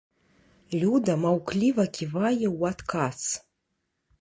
Люда маўкліва ківае ў адказ.